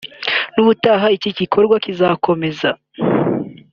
« N’ubutaha iki gikorwa kizakomeza